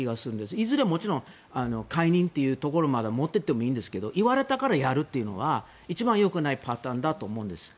いずれは、もちろん解任というところまで持って行ってもいいですが言われたからやるというのは一番良くないパターンだと思います。